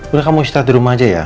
udah kamu istirahat dirumah aja ya